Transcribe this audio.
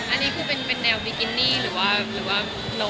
อันนี้คือเป็นแนวบิกินี่หรือว่า